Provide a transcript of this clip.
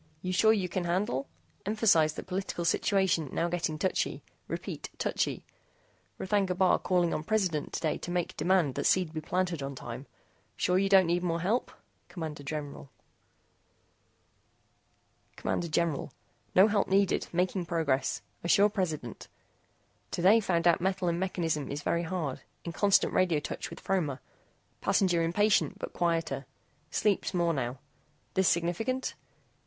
YOU SURE YOU CAN HANDLE? EMPHASIZE THAT POLITICAL SITUATION NOW GETTING TOUCHY. REPEAT TOUCHY. R'THAGNA BAR CALLING ON PRESIDENT TODAY TO MAKE DEMAND THAT SEED BE PLANTED ON TIME. SURE YOU DON'T NEED MORE HELP? CMD GENERAL CMD GENERAL NO HELP NEEDED. MAKING PROGRESS, ASSURE PRESIDENT. TODAY FOUND OUT METAL IN MECHANISM IS VERY HARD. IN CONSTANT RADIO TOUCH WITH FROMER. PASSENGER IMPATIENT BUT QUIETER. SLEEPS MORE NOW. THIS SIGNIFICANT?